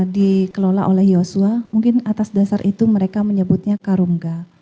dikelola oleh yosua mungkin atas dasar itu mereka menyebutnya karungga